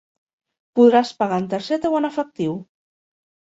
Podràs pagar en targeta o en efectiu.